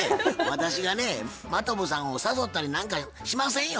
私がね真飛さんを誘ったりなんかしませんよ